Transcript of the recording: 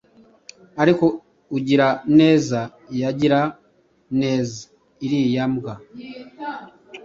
Ariko ugira neza yagirira neza iriya mbwa